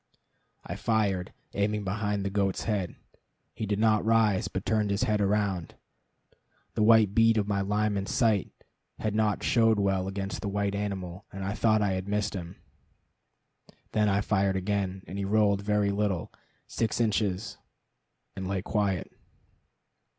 I fired, aiming behind the goat's head. He did not rise, but turned his head round. The white bead of my Lyman sight had not showed well against the white animal, and I thought I had missed him. Then I fired again, and he rolled very little six inches and lay quiet.